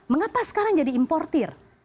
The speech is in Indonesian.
mengapa sekarang jadi importir